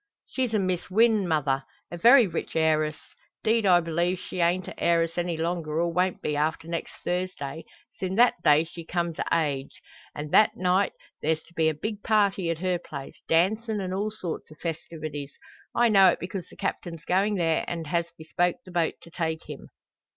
"She's a Miss Wynn, mother. A very rich heiress. 'Deed I b'lieve she ain't a heiress any longer, or won't be, after next Thursday, sin' that day she comes o' age. An' that night there's to be a big party at her place, dancin' an' all sorts o' festivities. I know it because the Captain's goin' there, an' has bespoke the boat to take him."